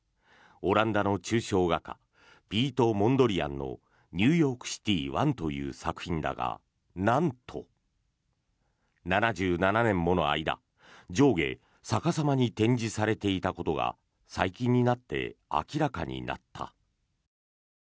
オランダの抽象画家ピート・モンドリアンの「ニューヨークシティ１」という作品だがなんと、７７年もの間上下逆さまに展示されていたことが最近になって明らかになった。